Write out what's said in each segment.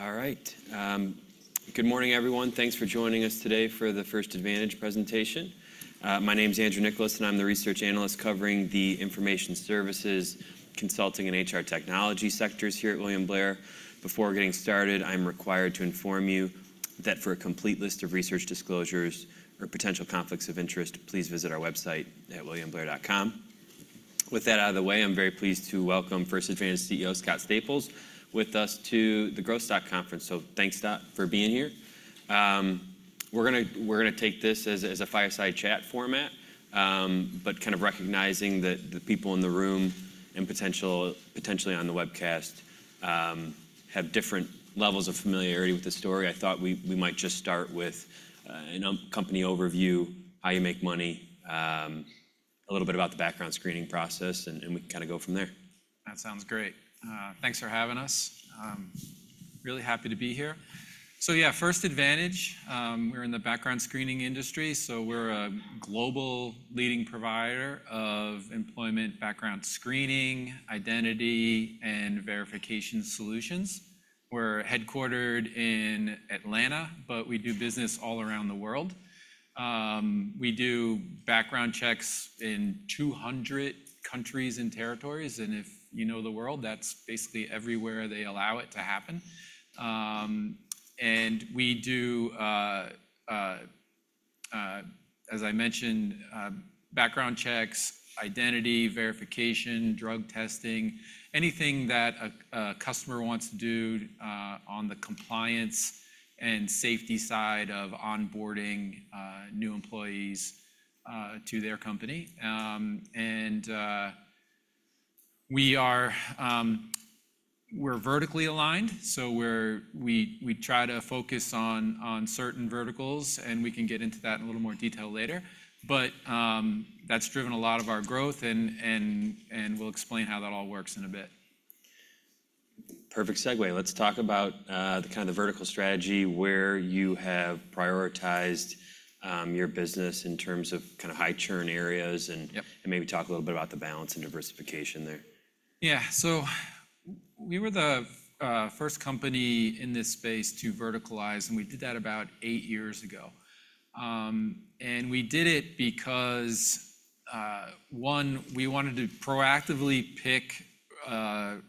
All right. Good morning, everyone. Thanks for joining us today for the First Advantage presentation. My name is Andrew Nicholas, and I'm the research analyst covering the information services, consulting, and HR technology sectors here at William Blair. Before getting started, I'm required to inform you that for a complete list of research disclosures or potential conflicts of interest, please visit our website at williamblair.com. With that out of the way, I'm very pleased to welcome First Advantage CEO Scott Staples with us to the Growth Stock Conference. Thanks, Scott, for being here. We're going to take this as a fireside chat format, but kind of recognizing that the people in the room and potentially on the webcast have different levels of familiarity with the story. I thought we might just start with a company overview, how you make money, a little bit about the background screening process, and we can kind of go from there. That sounds great. Thanks for having us. Really happy to be here. So yeah, First Advantage, we're in the background screening industry. So we're a global leading provider of employment background screening, identity, and verification solutions. We're headquartered in Atlanta, but we do business all around the world. We do background checks in 200 countries and territories. And if you know the world, that's basically everywhere they allow it to happen. And we do, as I mentioned, background checks, identity, verification, drug testing, anything that a customer wants to do on the compliance and safety side of onboarding new employees to their company. And we're vertically aligned. So we try to focus on certain verticals, and we can get into that in a little more detail later. But that's driven a lot of our growth, and we'll explain how that all works in a bit. Perfect segue. Let's talk about the kind of vertical strategy where you have prioritized your business in terms of kind of high churn areas and maybe talk a little bit about the balance and diversification there. Yeah. So we were the first company in this space to verticalize, and we did that about eight years ago. We did it because, one, we wanted to proactively pick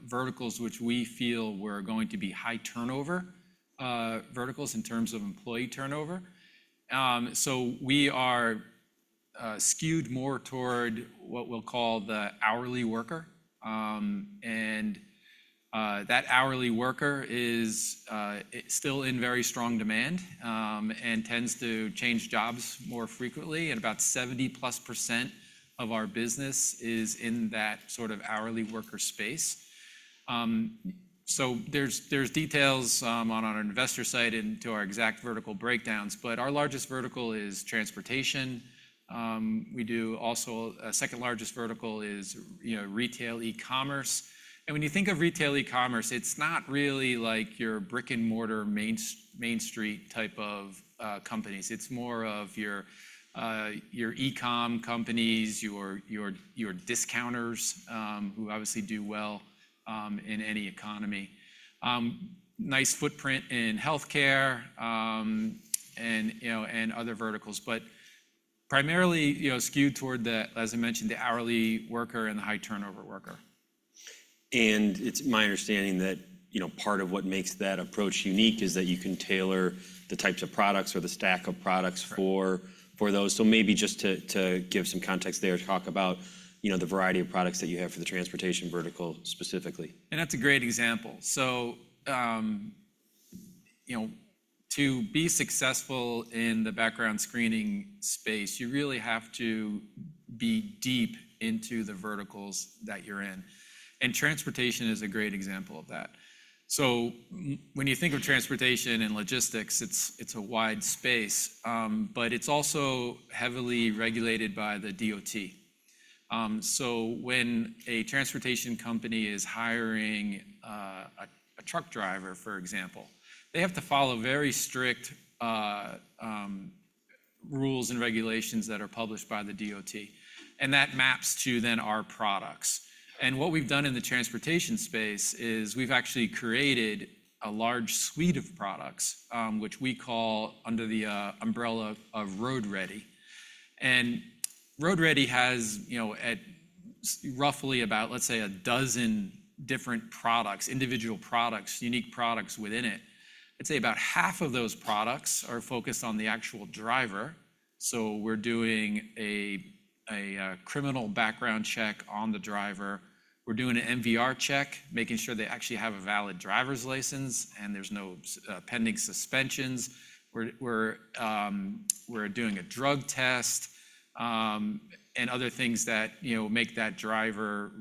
verticals which we feel were going to be high turnover verticals in terms of employee turnover. So we are skewed more toward what we'll call the hourly worker. That hourly worker is still in very strong demand and tends to change jobs more frequently. About 70+% of our business is in that sort of hourly worker space. There's details on our investor side into our exact vertical breakdowns, but our largest vertical is transportation. We do also a second largest vertical is retail e-commerce. When you think of retail e-commerce, it's not really like your brick-and-mortar Main Street type of companies. It's more of your e-com companies, your discounters who obviously do well in any economy, nice footprint in healthcare and other verticals, but primarily skewed toward, as I mentioned, the hourly worker and the high turnover worker. It's my understanding that part of what makes that approach unique is that you can tailor the types of products or the stack of products for those. Maybe just to give some context there, talk about the variety of products that you have for the transportation vertical specifically. And that's a great example. So to be successful in the background screening space, you really have to be deep into the verticals that you're in. And transportation is a great example of that. So when you think of transportation and logistics, it's a wide space, but it's also heavily regulated by the DOT. So when a transportation company is hiring a truck driver, for example, they have to follow very strict rules and regulations that are published by the DOT. And that maps to then our products. And what we've done in the transportation space is we've actually created a large suite of products which we call under the umbrella of RoadReady. And RoadReady has roughly about, let's say, 12 different products, individual products, unique products within it. I'd say about half of those products are focused on the actual driver. So we're doing a criminal background check on the driver. We're doing an MVR check, making sure they actually have a valid driver's license and there's no pending suspensions. We're doing a drug test and other things that make that driver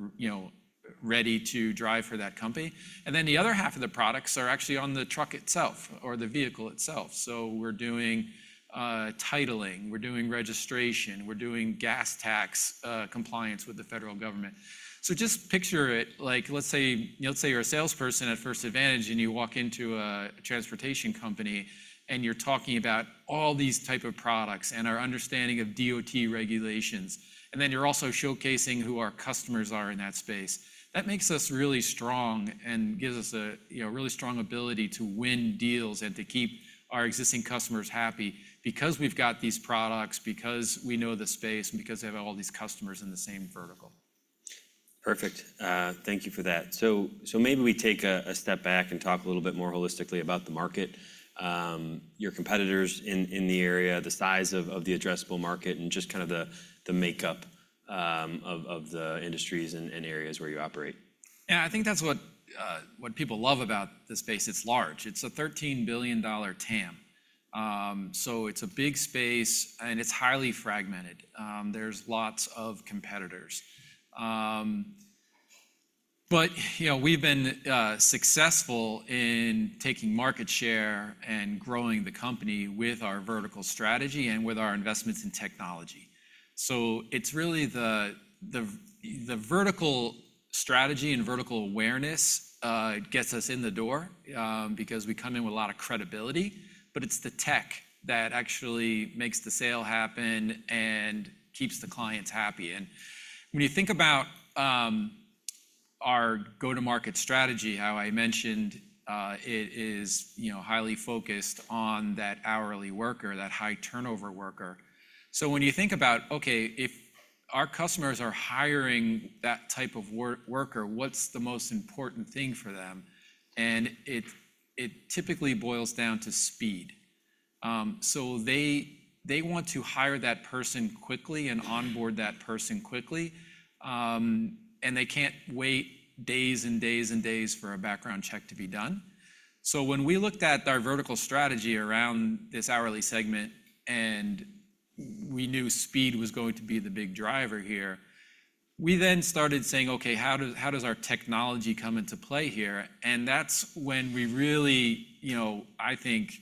ready to drive for that company. And then the other half of the products are actually on the truck itself or the vehicle itself. So we're doing titling, we're doing registration, we're doing gas tax compliance with the federal government. So just picture it like, let's say you're a salesperson at First Advantage and you walk into a transportation company and you're talking about all these types of products and our understanding of DOT regulations. And then you're also showcasing who our customers are in that space. That makes us really strong and gives us a really strong ability to win deals and to keep our existing customers happy because we've got these products, because we know the space, and because we have all these customers in the same vertical. Perfect. Thank you for that. So maybe we take a step back and talk a little bit more holistically about the market, your competitors in the area, the size of the addressable market, and just kind of the makeup of the industries and areas where you operate. Yeah, I think that's what people love about this space. It's large. It's a $13 billion TAM. So it's a big space and it's highly fragmented. There's lots of competitors. But we've been successful in taking market share and growing the company with our vertical strategy and with our investments in technology. So it's really the vertical strategy and vertical awareness gets us in the door because we come in with a lot of credibility, but it's the tech that actually makes the sale happen and keeps the clients happy. And when you think about our go-to-market strategy, how I mentioned, it is highly focused on that hourly worker, that high turnover worker. So when you think about, okay, if our customers are hiring that type of worker, what's the most important thing for them? And it typically boils down to speed. So they want to hire that person quickly and onboard that person quickly, and they can't wait days and days and days for a background check to be done. So when we looked at our vertical strategy around this hourly segment and we knew speed was going to be the big driver here, we then started saying, okay, how does our technology come into play here? And that's when we really, I think,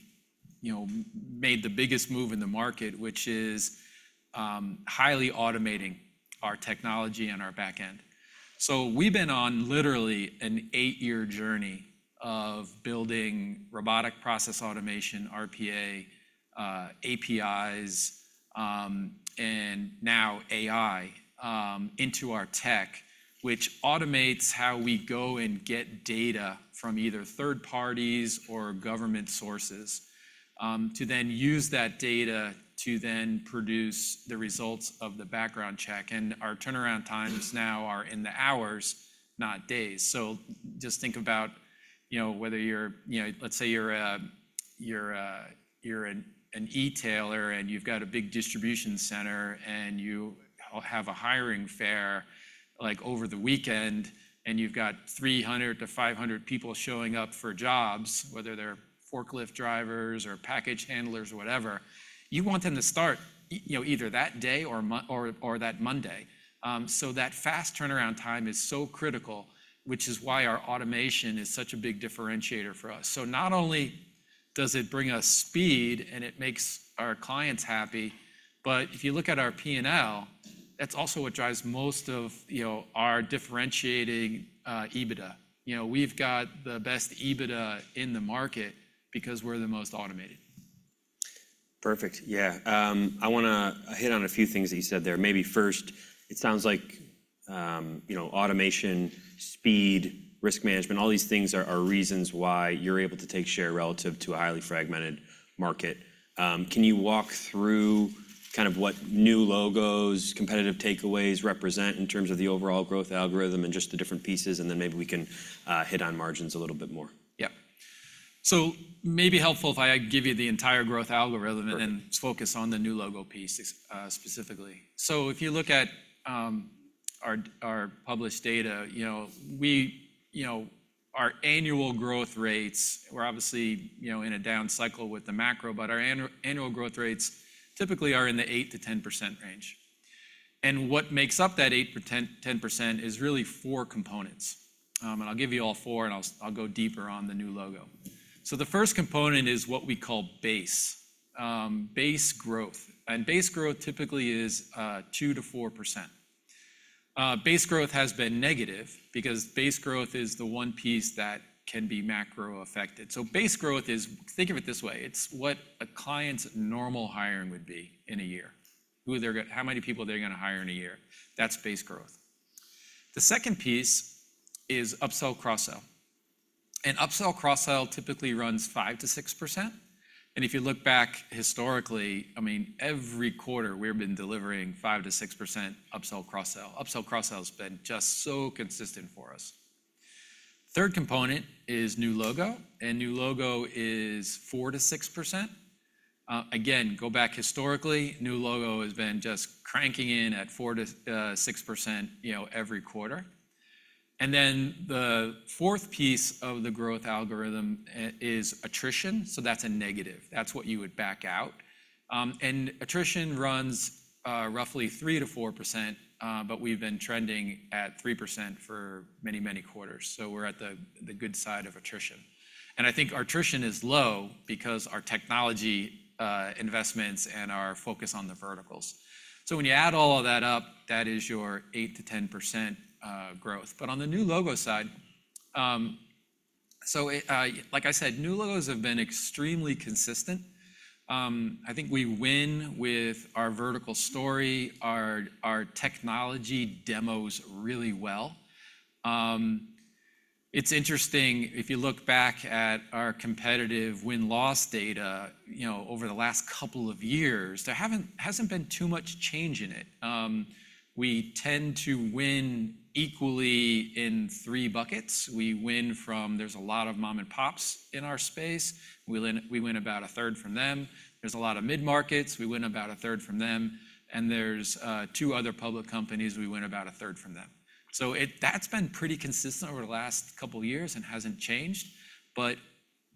made the biggest move in the market, which is highly automating our technology and our backend. So we've been on literally an eight-year journey of building robotic process automation, RPA, APIs, and now AI into our tech, which automates how we go and get data from either third parties or government sources to then use that data to then produce the results of the background check. And our turnaround times now are in the hours, not days. So just think about whether you're, let's say you're an e-tailer and you've got a big distribution center and you have a hiring fair over the weekend and you've got 300-500 people showing up for jobs, whether they're forklift drivers or package handlers or whatever, you want them to start either that day or that Monday. So that fast turnaround time is so critical, which is why our automation is such a big differentiator for us. So not only does it bring us speed and it makes our clients happy, but if you look at our P&L, that's also what drives most of our differentiating EBITDA. We've got the best EBITDA in the market because we're the most automated. Perfect. Yeah. I want to hit on a few things that you said there. Maybe first, it sounds like automation, speed, risk management, all these things are reasons why you're able to take share relative to a highly fragmented market. Can you walk through kind of what new logos, competitive takeaways represent in terms of the overall growth algorithm and just the different pieces? And then maybe we can hit on margins a little bit more. Yeah. So maybe helpful if I give you the entire growth algorithm and then focus on the new logo piece specifically. So if you look at our published data, our annual growth rates, we're obviously in a down cycle with the macro, but our annual growth rates typically are in the 8%-10% range. And what makes up that 8%-10% is really four components. And I'll give you all four, and I'll go deeper on the new logo. So the first component is what we call Base Growth. And Base Growth typically is 2%-4%. Base Growth has been negative because Base Growth is the one piece that can be macro affected. So Base Growth is, think of it this way, it's what a client's normal hiring would be in a year, how many people they're going to hire in a year. That's Base Growth. The second piece is upsell cross-sell. Upsell cross-sell typically runs 5%-6%. If you look back historically, I mean, every quarter we've been delivering 5%-6% upsell cross-sell. Upsell cross-sell has been just so consistent for us. Third component is new logo, and new logo is 4%-6%. Again, go back historically, new logo has been just cranking in at 4%-6% every quarter. The fourth piece of the growth algorithm is attrition. So that's a negative. That's what you would back out. Attrition runs roughly 3%-4%, but we've been trending at 3% for many, many quarters. So we're at the good side of attrition. I think our attrition is low because of our technology investments and our focus on the verticals. So when you add all of that up, that is your 8%-10% growth. But on the new logo side, so like I said, new logos have been extremely consistent. I think we win with our vertical story, our technology demos really well. It's interesting if you look back at our competitive win-loss data over the last couple of years, there hasn't been too much change in it. We tend to win equally in three buckets. We win from, there's a lot of mom-and-pops in our space. We win about a third from them. There's a lot of mid-markets. We win about a third from them. And there's two other public companies. We win about a third from them. So that's been pretty consistent over the last couple of years and hasn't changed. But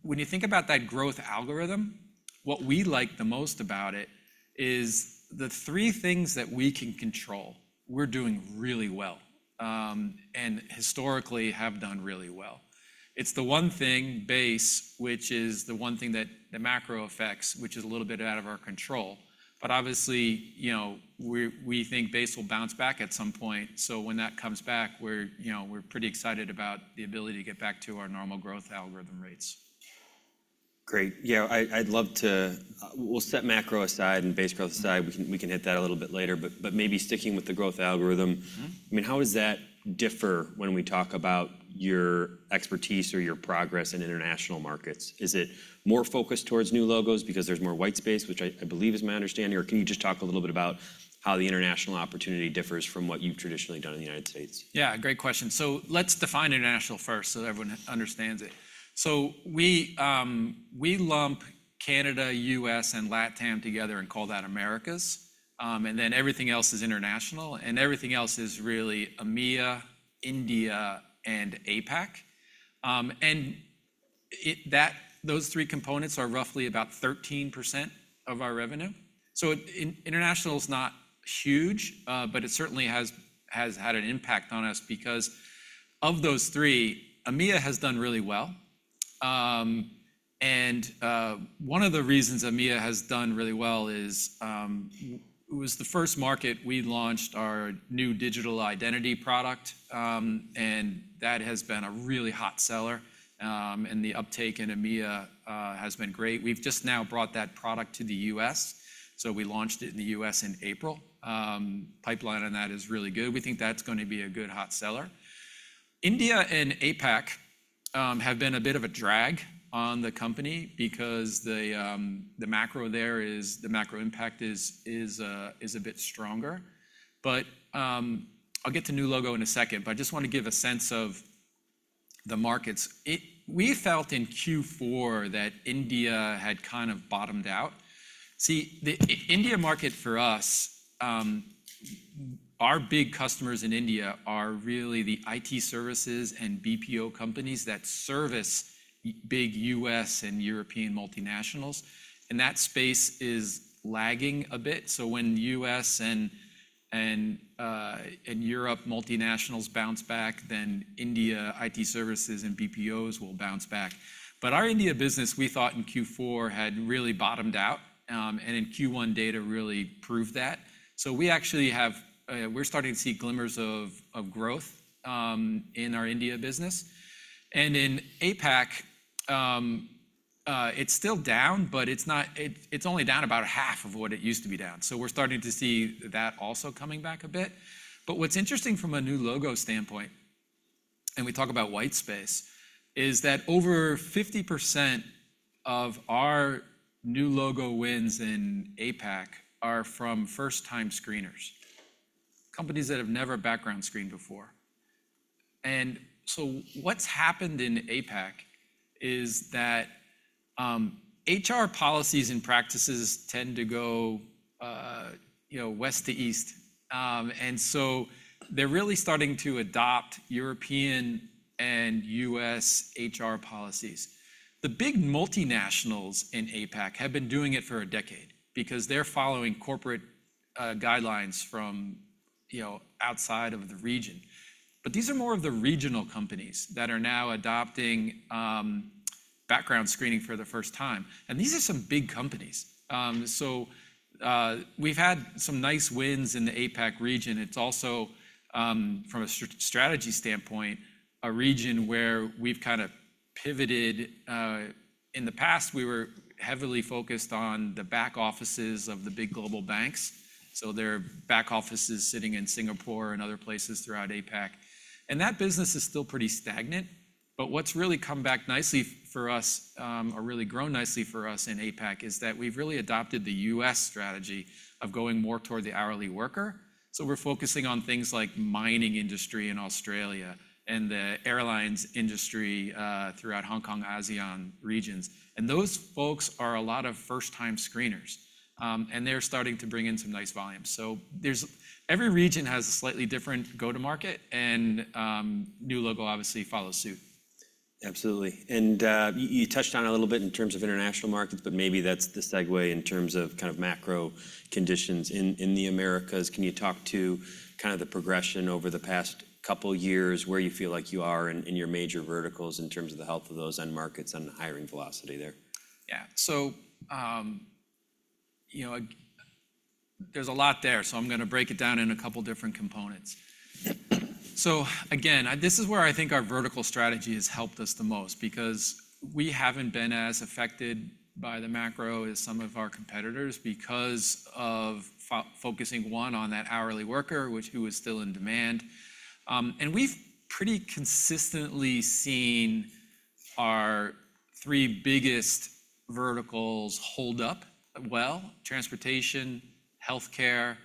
when you think about that growth algorithm, what we like the most about it is the three things that we can control. We're doing really well and historically have done really well. It's the one thing, Base, which is the one thing that the macro affects, which is a little bit out of our control. But obviously, we think Base will bounce back at some point. So when that comes back, we're pretty excited about the ability to get back to our normal growth algorithm rates. Great. Yeah, I'd love to. We'll set macro aside and Base Growth aside. We can hit that a little bit later, but maybe sticking with the growth algorithm. I mean, how does that differ when we talk about your expertise or your progress in international markets? Is it more focused towards new logos because there's more white space, which I believe is my understanding? Or can you just talk a little bit about how the international opportunity differs from what you've traditionally done in the United States? Yeah, great question. So let's define international first so everyone understands it. So we lump Canada, U.S., and LATAM together and call that Americas. And then everything else is international. And everything else is really EMEA, India, and APAC. And those three components are roughly about 13% of our revenue. So international is not huge, but it certainly has had an impact on us because of those three, EMEA has done really well. And one of the reasons EMEA has done really well is it was the first market we launched our new digital identity product, and that has been a really hot seller. And the uptake in EMEA has been great. We've just now brought that product to the U.S. So we launched it in the U.S. in April. Pipeline on that is really good. We think that's going to be a good hot seller. India and APAC have been a bit of a drag on the company because the macro there is, the macro impact is a bit stronger. But I'll get to new logo in a second, but I just want to give a sense of the markets. We felt in Q4 that India had kind of bottomed out. See, the India market for us, our big customers in India are really the IT services and BPO companies that service big U.S. and European multinationals. And that space is lagging a bit. So when U.S. and Europe multinationals bounce back, then India IT services and BPOs will bounce back. But our India business, we thought in Q4 had really bottomed out. And in Q1, data really proved that. So we actually have, we're starting to see glimmers of growth in our India business. In APAC, it's still down, but it's only down about half of what it used to be down. We're starting to see that also coming back a bit. What's interesting from a new logo standpoint, and we talk about white space, is that over 50% of our new logo wins in APAC are from first-time screeners, companies that have never background screened before. What's happened in APAC is that HR policies and practices tend to go west to east. They're really starting to adopt European and U.S. HR policies. The big multinationals in APAC have been doing it for a decade because they're following corporate guidelines from outside of the region. These are more of the regional companies that are now adopting background screening for the first time. These are some big companies. So we've had some nice wins in the APAC region. It's also, from a strategy standpoint, a region where we've kind of pivoted. In the past, we were heavily focused on the back offices of the big global banks. So there are back offices sitting in Singapore and other places throughout APAC. And that business is still pretty stagnant. But what's really come back nicely for us, or really grown nicely for us in APAC, is that we've really adopted the U.S. strategy of going more toward the hourly worker. So we're focusing on things like mining industry in Australia and the airlines industry throughout Hong Kong, ASEAN regions. And those folks are a lot of first-time screeners. And they're starting to bring in some nice volume. So every region has a slightly different go-to-market, and new logo obviously follows suit. Absolutely. And you touched on it a little bit in terms of international markets, but maybe that's the segue in terms of kind of macro conditions in the Americas. Can you talk to kind of the progression over the past couple of years where you feel like you are in your major verticals in terms of the health of those end markets and the hiring velocity there? Yeah. So there's a lot there, so I'm going to break it down in a couple of different components. So again, this is where I think our vertical strategy has helped us the most because we haven't been as affected by the macro as some of our competitors because of focusing, one, on that hourly worker, which was still in demand. And we've pretty consistently seen our three biggest verticals hold up well: transportation, healthcare,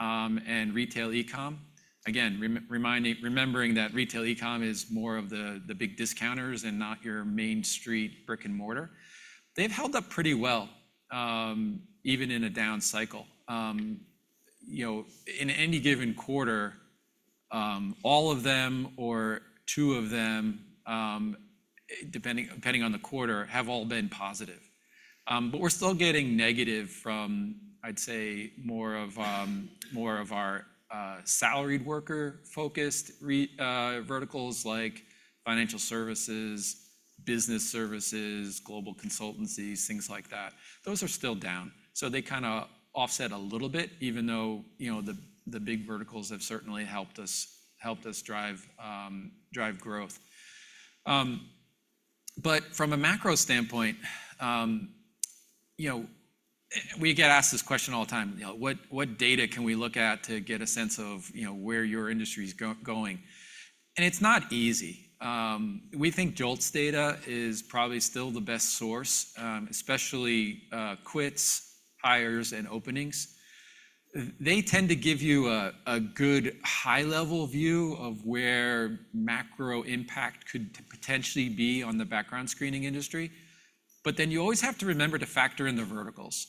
and retail e-com. Again, remembering that retail e-com is more of the big discounters and not your Main Street brick and mortar. They've held up pretty well, even in a down cycle. In any given quarter, all of them or two of them, depending on the quarter, have all been positive. But we're still getting negative from, I'd say, more of our salaried worker-focused verticals like financial services, business services, global consultancies, things like that. Those are still down. So they kind of offset a little bit, even though the big verticals have certainly helped us drive growth. But from a macro standpoint, we get asked this question all the time. What data can we look at to get a sense of where your industry is going? And it's not easy. We think JOLTS data is probably still the best source, especially quits, hires, and openings. They tend to give you a good high-level view of where macro impact could potentially be on the background screening industry. But then you always have to remember to factor in the verticals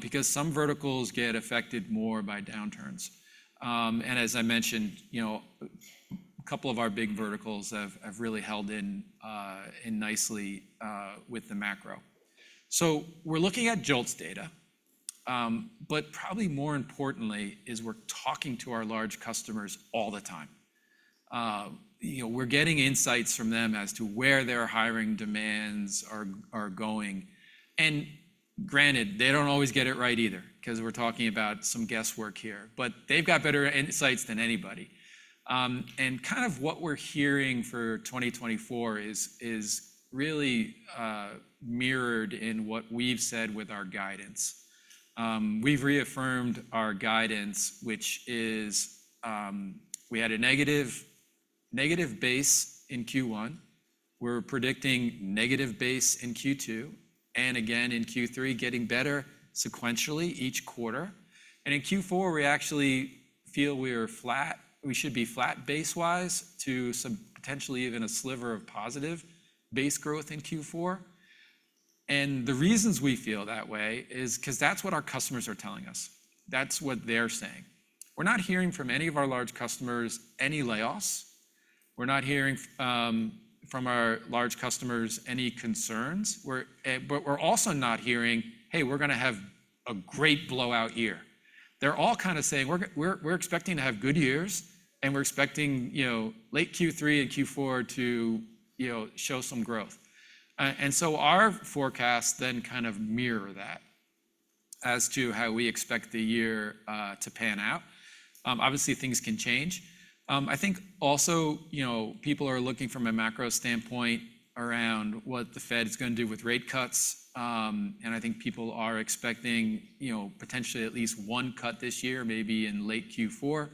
because some verticals get affected more by downturns. And as I mentioned, a couple of our big verticals have really held in nicely with the macro. So we're looking at JOLTS data, but probably more importantly is we're talking to our large customers all the time. We're getting insights from them as to where their hiring demands are going. Granted, they don't always get it right either because we're talking about some guesswork here, but they've got better insights than anybody. Kind of what we're hearing for 2024 is really mirrored in what we've said with our guidance. We've reaffirmed our guidance, which is we had a negative base in Q1. We're predicting negative base in Q2. Again, in Q3, getting better sequentially each quarter. In Q4, we actually feel we should be flat base-wise to potentially even a sliver of positive base growth in Q4. The reasons we feel that way is because that's what our customers are telling us. That's what they're saying. We're not hearing from any of our large customers any layoffs. We're not hearing from our large customers any concerns. But we're also not hearing, "Hey, we're going to have a great blowout year." They're all kind of saying, "We're expecting to have good years, and we're expecting late Q3 and Q4 to show some growth." And so our forecasts then kind of mirror that as to how we expect the year to pan out. Obviously, things can change. I think also people are looking from a macro standpoint around what the Fed is going to do with rate cuts. And I think people are expecting potentially at least one cut this year, maybe in late Q4.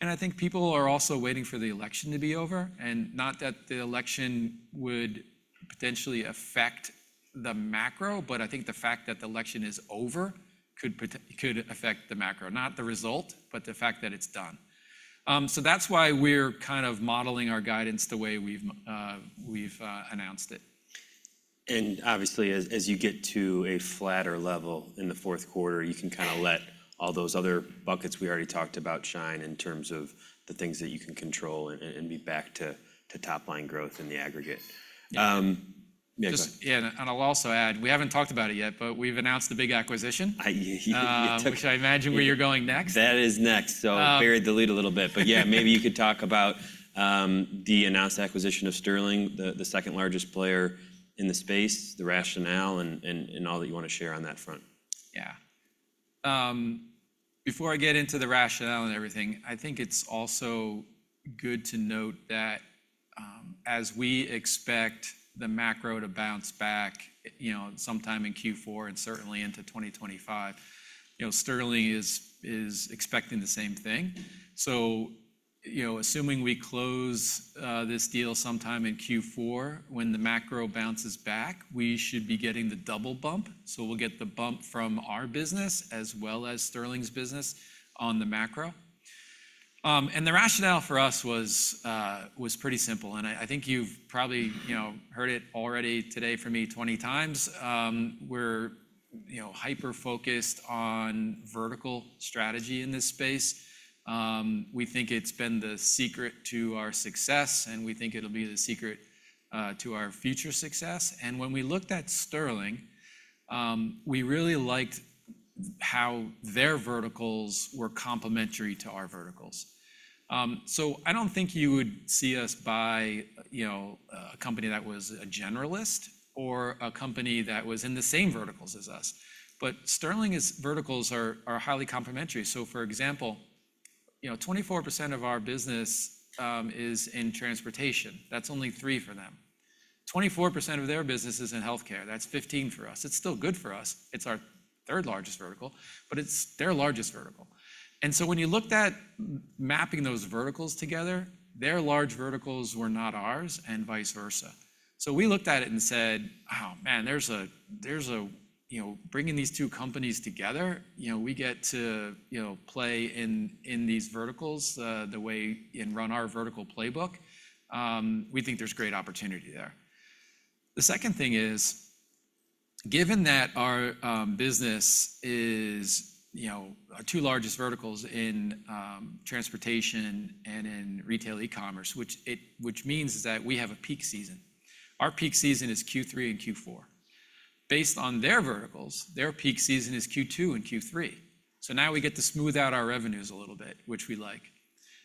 And I think people are also waiting for the election to be over. And not that the election would potentially affect the macro, but I think the fact that the election is over could affect the macro, not the result, but the fact that it's done. So that's why we're kind of modeling our guidance the way we've announced it. And obviously, as you get to a flatter level in the fourth quarter, you can kind of let all those other buckets we already talked about shine in terms of the things that you can control and be back to top-line growth in the aggregate. Yeah. I'll also add, we haven't talked about it yet, but we've announced the big acquisition, which I imagine where you're going next. That is next. So I buried the lead a little bit. But yeah, maybe you could talk about the announced acquisition of Sterling, the second largest player in the space, the rationale and all that you want to share on that front. Yeah. Before I get into the rationale and everything, I think it's also good to note that as we expect the macro to bounce back sometime in Q4 and certainly into 2025, Sterling is expecting the same thing. So assuming we close this deal sometime in Q4, when the macro bounces back, we should be getting the double bump. So we'll get the bump from our business as well as Sterling's business on the macro. And the rationale for us was pretty simple. And I think you've probably heard it already today from me 20 times. We're hyper-focused on vertical strategy in this space. We think it's been the secret to our success, and we think it'll be the secret to our future success. And when we looked at Sterling, we really liked how their verticals were complementary to our verticals. So I don't think you would see us buy a company that was a generalist or a company that was in the same verticals as us. But Sterling's verticals are highly complementary. So for example, 24% of our business is in transportation. That's only 3% for them. 24% of their business is in healthcare. That's 15% for us. It's still good for us. It's our third largest vertical, but it's their largest vertical. And so when you looked at mapping those verticals together, their large verticals were not ours and vice versa. So we looked at it and said, "Oh, man, there's a bringing these two companies together. We get to play in these verticals the way and run our vertical playbook. We think there's great opportunity there." The second thing is, given that our business is our two largest verticals in transportation and in retail e-commerce, which means is that we have a peak season. Our peak season is Q3 and Q4. Based on their verticals, their peak season is Q2 and Q3. So now we get to smooth out our revenues a little bit, which we like.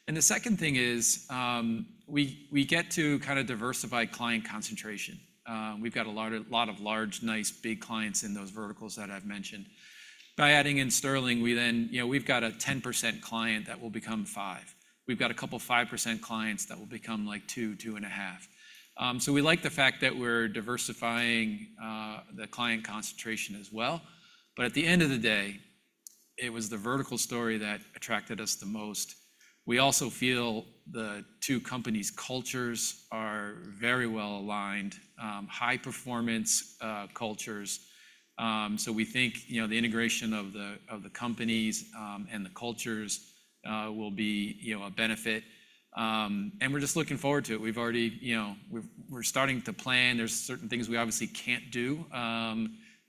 And the second thing is we get to kind of diversify client concentration. We've got a lot of large, nice, big clients in those verticals that I've mentioned. By adding in Sterling, we then we've got a 10% client that will become 5%. We've got a couple of 5% clients that will become like 2%, 2.5%. So we like the fact that we're diversifying the client concentration as well. But at the end of the day, it was the vertical story that attracted us the most. We also feel the two companies' cultures are very well aligned, high-performance cultures. So we think the integration of the companies and the cultures will be a benefit. And we're just looking forward to it. We're starting to plan. There's certain things we obviously can't do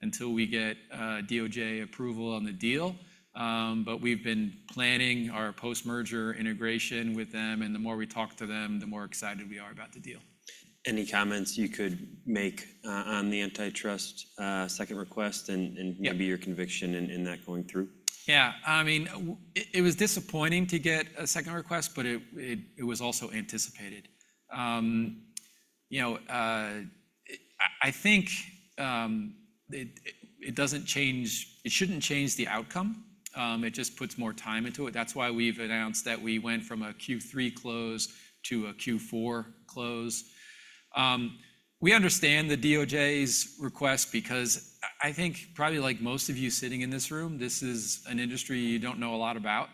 until we get DOJ approval on the deal. But we've been planning our post-merger integration with them. And the more we talk to them, the more excited we are about the deal. Any comments you could make on the antitrust second request and maybe your conviction in that going through? Yeah. I mean, it was disappointing to get a second request, but it was also anticipated. I think it shouldn't change the outcome. It just puts more time into it. That's why we've announced that we went from a Q3 close to a Q4 close. We understand the DOJ's request because I think probably like most of you sitting in this room, this is an industry you don't know a lot about.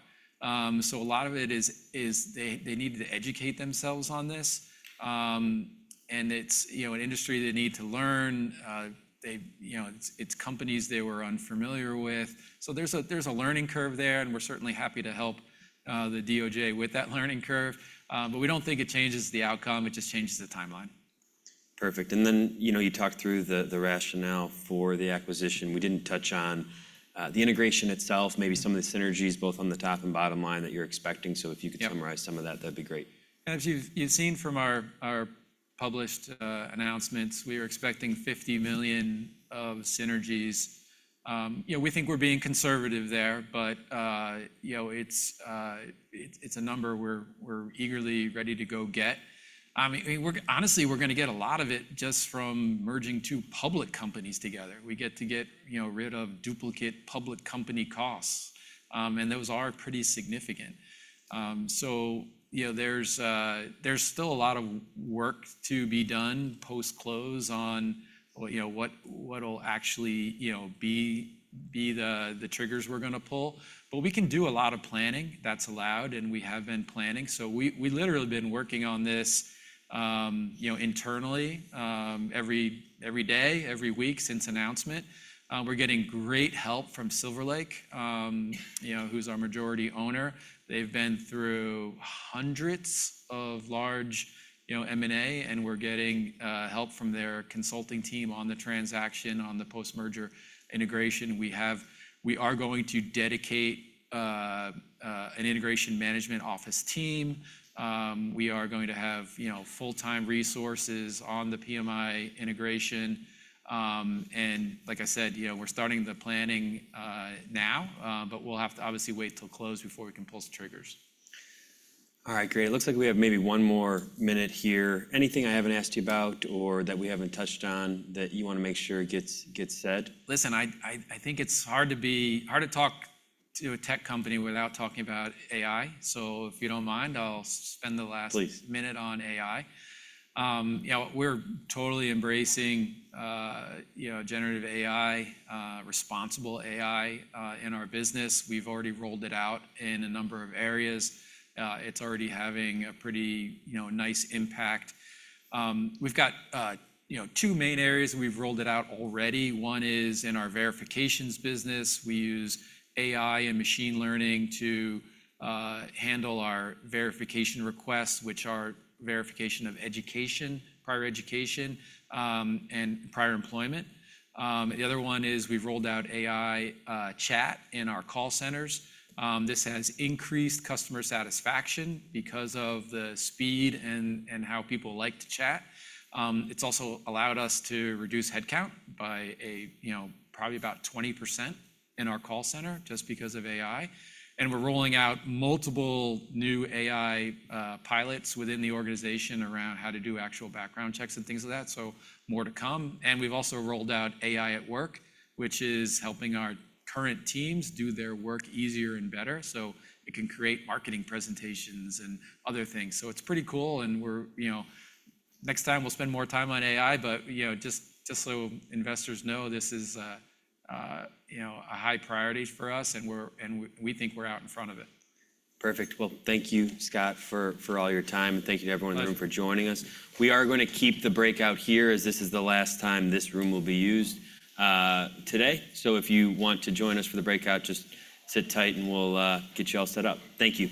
So a lot of it is they need to educate themselves on this. And it's an industry they need to learn. It's companies they were unfamiliar with. So there's a learning curve there, and we're certainly happy to help the DOJ with that learning curve. But we don't think it changes the outcome. It just changes the timeline. Perfect. Then you talked through the rationale for the acquisition. We didn't touch on the integration itself, maybe some of the synergies both on the top and bottom line that you're expecting. If you could summarize some of that, that'd be great. As you've seen from our published announcements, we were expecting $50 million of synergies. We think we're being conservative there, but it's a number we're eagerly ready to go get. Honestly, we're going to get a lot of it just from merging two public companies together. We get to get rid of duplicate public company costs. And those are pretty significant. So there's still a lot of work to be done post-close on what'll actually be the triggers we're going to pull. But we can do a lot of planning. That's allowed, and we have been planning. So we've literally been working on this internally every day, every week since announcement. We're getting great help from Silver Lake, who's our majority owner. They've been through hundreds of large M&A, and we're getting help from their consulting team on the transaction, on the post-merger integration. We are going to dedicate an integration management office team. We are going to have full-time resources on the PMI integration. And like I said, we're starting the planning now, but we'll have to obviously wait till close before we can pull some triggers. All right, great. It looks like we have maybe one more minute here. Anything I haven't asked you about or that we haven't touched on that you want to make sure gets said? Listen, I think it's hard to talk to a tech company without talking about AI. So if you don't mind, I'll spend the last minute on AI. We're totally embracing generative AI, responsible AI in our business. We've already rolled it out in a number of areas. It's already having a pretty nice impact. We've got two main areas we've rolled it out already. One is in our verifications business. We use AI and machine learning to handle our verification requests, which are verification of education, prior education, and prior employment. The other one is we've rolled out AI chat in our call centers. This has increased customer satisfaction because of the speed and how people like to chat. It's also allowed us to reduce headcount by probably about 20% in our call center just because of AI. We're rolling out multiple new AI pilots within the organization around how to do actual background checks and things of that. So more to come. And we've also rolled out AI at work, which is helping our current teams do their work easier and better. So it can create marketing presentations and other things. So it's pretty cool. And next time, we'll spend more time on AI. But just so investors know, this is a high priority for us, and we think we're out in front of it. Perfect. Well, thank you, Scott, for all your time. Thank you to everyone in the room for joining us. We are going to keep the breakout here as this is the last time this room will be used today. If you want to join us for the breakout, just sit tight, and we'll get you all set up. Thank you.